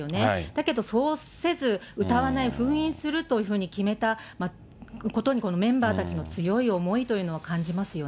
だけど、そうせず、歌わない、封印するというふうに決めたことに、メンバーたちの強い思いというのを感じますよね。